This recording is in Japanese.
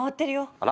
あら。